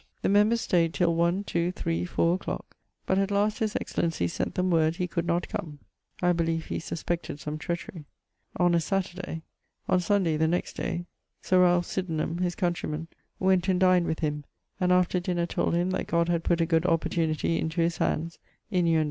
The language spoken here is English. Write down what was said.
The members stayd till 1, 2, 3, 4 a clock, but at last his excellency sent them word he could not come: I beleeve he suspected some treacherie. [XXIX.] on a Saterday. On Sunday (the next day) Sir Ralph Sydenham (his countreyman) went and dined with him, and after dinner told him that God had putt a good opportunity into his handes, innuend.